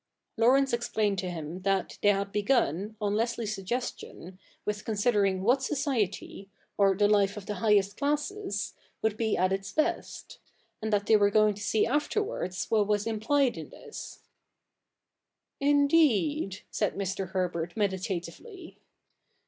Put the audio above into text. Laurence explained to him that they had begun, on Leslie's suggestion, with considering what society, or the life of the highest classes, would be at its best : and that they were going to see afterwards what was implied in this. ' Indeed I ' said Mr. Herbert meditatively.